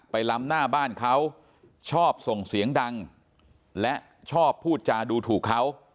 ล้ำหน้าบ้านเขาชอบส่งเสียงดังและชอบพูดจาดูถูกเขา